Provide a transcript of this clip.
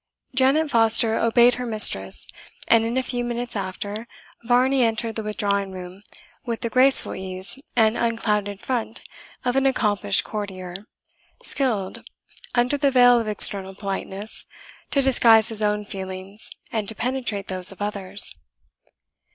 Janet Foster obeyed her mistress; and in a few minutes after, Varney entered the withdrawing room with the graceful ease and unclouded front of an accomplished courtier, skilled, under the veil of external politeness, to disguise his own feelings and to penetrate those of others.